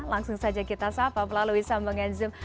langsung saja kita sapa melalui sambungan zoom